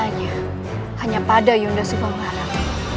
tentunya hanya pada yunda subanglarang